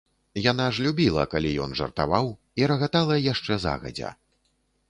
Яна ж любіла, калі ён жартаваў, і рагатала яшчэ загадзя.